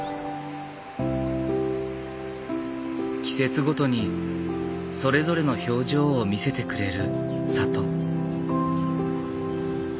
季節ごとにそれぞれの表情を見せてくれる里。